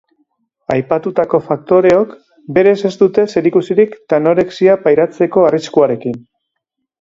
Aipatutako faktoreok berez ez dute zerikusirik tanorexia pairatzeko arriskuarekin.